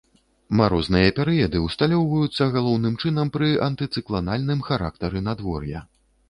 Марозныя перыяды ўсталёўваюцца галоўным чынам пры антыцыкланальным характары надвор'я.